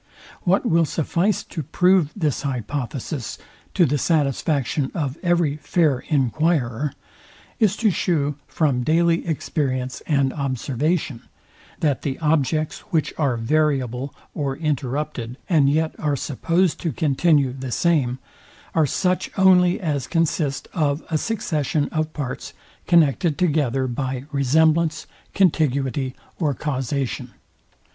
What will suffice to prove this hypothesis to the satisfaction of every fair enquirer, is to shew from daily experience and observation, that the objects, which are variable or interrupted, and yet are supposed to continue the same, are such only as consist of a succession of parts, connected together by resemblance, contiguity, or causation.